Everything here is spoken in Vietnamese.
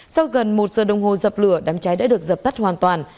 sau gần một giờ đồng hồ dập lửa đám cháy đã được dập tắt hoàn toàn